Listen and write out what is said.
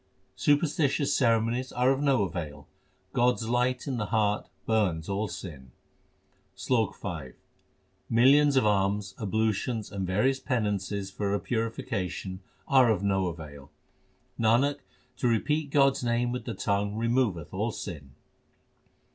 Superstitious ceremonies are of no avail ; God s light in the heart burns all sin : SLOK V Millions of alms, ablutions, and various penances for purification are of no avail. Nanak, to repeat God s name with the tongue removeth all sin.